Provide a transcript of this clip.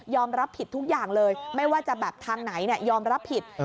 รับผิดทุกอย่างเลยไม่ว่าจะแบบทางไหนยอมรับผิด